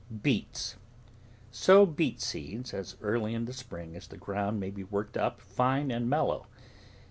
BEETS Sow beet seeds as early in the spring as the ground may be worked up fine and mellow.